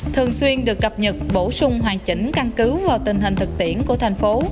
thường xuyên được cập nhật bổ sung hoàn chỉnh căn cứ vào tình hình thực tiễn của thành phố